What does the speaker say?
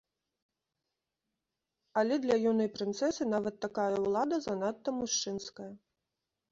Але для юнай прынцэсы нават такая ўлада занадта мужчынская.